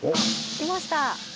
来ました。